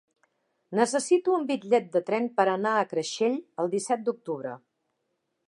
Necessito un bitllet de tren per anar a Creixell el disset d'octubre.